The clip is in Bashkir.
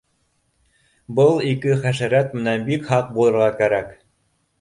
Был ике хәшәрәт менән бик һаҡ булырға кәрәк